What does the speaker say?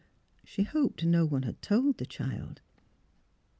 She hoped no one had told the child.